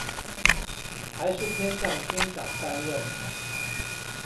還是偏向廳長擔任